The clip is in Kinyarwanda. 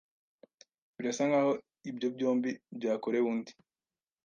Birasa nkaho ibyo byombi byakorewe undi.